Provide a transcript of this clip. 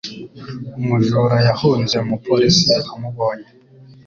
Umujura yahunze umupolisi amubonye.